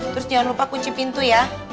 terus jangan lupa kunci pintu ya